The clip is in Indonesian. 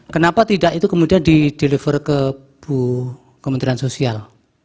kenapa tidak itu kemudian di deliver ke bu kementerian sosial